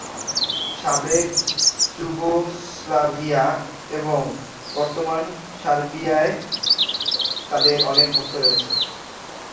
সাবেক যুগোস্লাভিয়া এবং বর্তমান সার্বিয়ায় তাদের অনেক ভক্ত রয়েছে।